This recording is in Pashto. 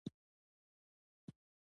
ځان پاک ساتل څه ګټه لري؟